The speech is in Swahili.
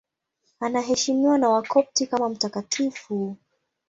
Anaheshimiwa na Wakopti kama mtakatifu.